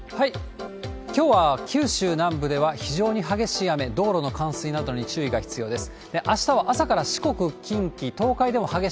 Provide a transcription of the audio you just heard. きょうは九州南部では、非常に激しい雨、道路の冠水などに注意が必要です。